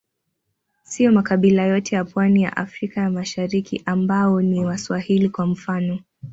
Siyo makabila yote ya pwani ya Afrika ya Mashariki ambao ni Waswahili, kwa mfano.